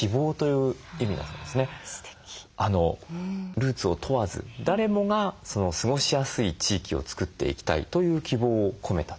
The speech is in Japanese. ルーツを問わず誰もが過ごしやすい地域を作っていきたいという希望を込めたと。